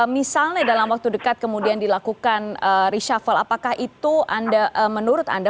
misalnya dalam waktu dekat kemudian dilakukan reshuffle apakah itu menurut anda